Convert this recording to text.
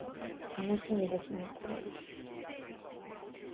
楽しみですねこれ。